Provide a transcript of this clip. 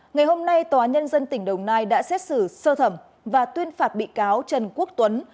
ngày hôm nay tòa nhân dân tỉnh đồng nai đã xét xử sơ thẩm và tuyên phạt bị cáo trần quốc tuấn